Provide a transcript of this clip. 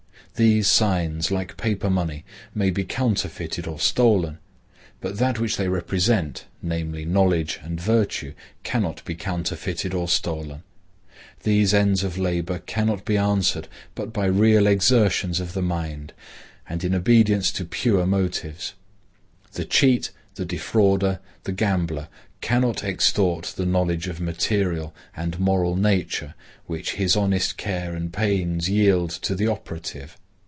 These signs, like paper money, may be counterfeited or stolen, but that which they represent, namely, knowledge and virtue, cannot be counterfeited or stolen. These ends of labor cannot be answered but by real exertions of the mind, and in obedience to pure motives. The cheat, the defaulter, the gambler, cannot extort the knowledge of material and moral nature which his honest care and pains yield to the operative.